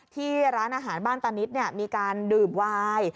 ที่ร้านอาหารบ้านตานิดมีการดื่มวาย